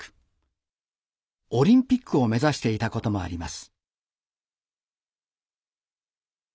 オリンピックを目指していたこともあります。